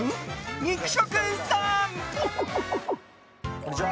こんにちは！